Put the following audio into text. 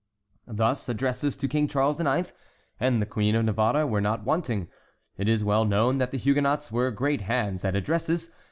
Thus addresses to King Charles IX. and the Queen of Navarre were not wanting. It is well known that the Huguenots were great hands at addresses.